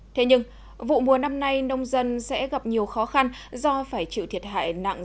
thế nhưng vụ mùa năm nay nông dân sẽ gặp nhiều khó khăn do phải chịu thiệt hại nặng